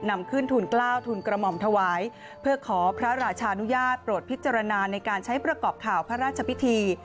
นำขึ้นทุนกล้าวทุนกระหม่อมถวายเพื่อขอพระราชานุญาตโปรดพิจารณาในการใช้ประกอบข่าวพระราชพิธี